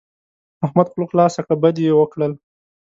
احمد خوله خلاصه کړه؛ بد يې وکړل.